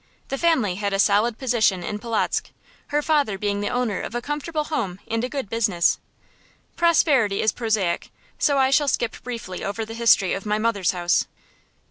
The family had a solid position in Polotzk, her father being the owner of a comfortable home and a good business. Prosperity is prosaic, so I shall skip briefly over the history of my mother's house.